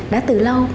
đã từ lâu